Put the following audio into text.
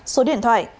số điện thoại